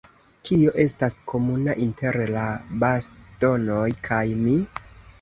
Kio estas komuna inter la bastonoj kaj mi?